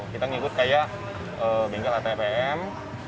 kita ngikut kayak bengkel atpm